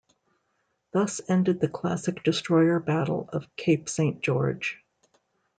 Thus ended the classic destroyer battle of Cape Saint George.